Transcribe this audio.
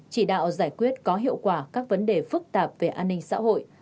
chỉ đạo giải quyết có hiệu quả các vấn đề phức tạp về an ninh xã hội